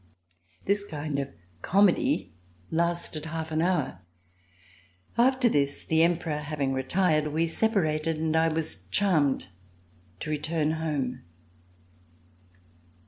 This kind of comedy lasted half an hour. After this, the Emperor having retired, we separated, and I was charmed to return home.